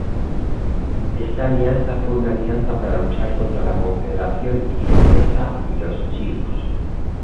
Esta alianza fue una alianza para luchar contra la Confederación Iroquesa y los Sioux.